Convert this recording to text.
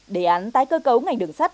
đề án tái cơ cấu ngành đường sắt